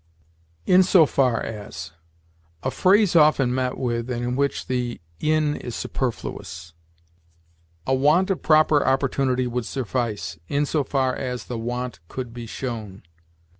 IN SO FAR AS. A phrase often met with, and in which the in is superfluous. "A want of proper opportunity would suffice, in so far as the want could be shown."